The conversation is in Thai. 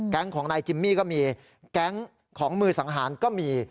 ของนายจิมมี่ก็มีแก๊งของมือสังหารก็มี